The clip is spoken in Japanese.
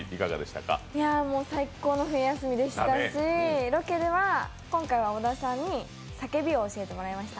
最高の冬休みでしたしロケでは今回は小田さんに叫びを教えてもらいました。